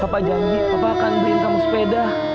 bapak janji bapak akan berin kamu sepeda